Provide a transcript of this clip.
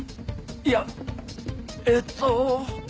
いやえっと。